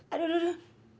aduh bang siapa yang mau